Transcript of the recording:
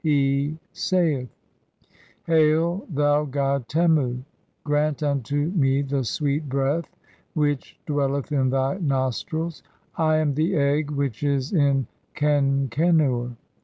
He saith :— "Hail, thou god Temu, grant unto me the sweet breath which "dwelleth in thy nostrils! I am the Egg (3) which is in Kenkcn "ur